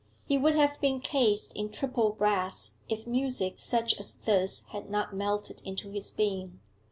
He would have been cased in triple brass if music such as this had not melted into his being.